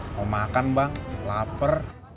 mau makan bang laper